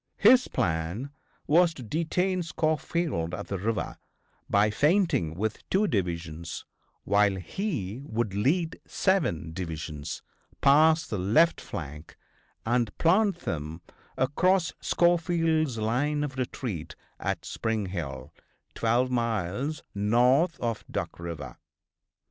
His plan was to detain Schofield at the river by feinting with two divisions while he would lead seven divisions past the left flank and plant them across Schofield's line of retreat at Spring Hill, twelve miles north of Duck River.